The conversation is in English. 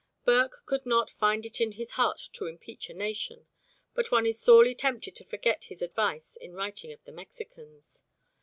Burke could not "find it in his heart to impeach a nation," but one is sorely tempted to forget his advice in writing of the Mexicans.